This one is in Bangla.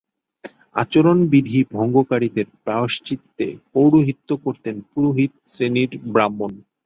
আচরণবিধি ভঙ্গকারীদের প্রায়শ্চিত্তে পৌরহিত্য করতেন পুরোহিত শ্রেণির ব্রাহ্মণ।